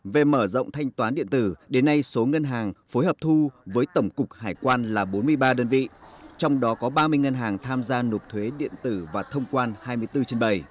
về mở rộng thanh toán điện tử đến nay số ngân hàng phối hợp thu với tổng cục hải quan là bốn mươi ba đơn vị trong đó có ba mươi ngân hàng tham gia nộp thuế điện tử và thông quan hai mươi bốn trên bảy